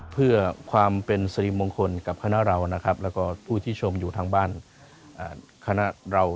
เพื่อความเป็นสริมงคลกับคณะเรานะครับแล้วก็ผู้ที่ชมอยู่ทางบ้านคณะเรา